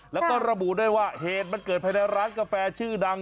แล้วก็ระบุด้วยว่าเหตุมันเกิดภายในร้านกาแฟชื่อดัง